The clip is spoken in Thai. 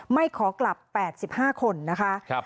ไม่ขอกลับ๘๕คนนะคะ